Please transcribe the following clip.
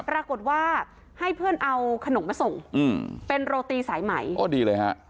ปรากฏว่าให้เพื่อนเอาขนมมาส่งอืมเป็นโรตีสายไหมโอ้ดีเลยฮะ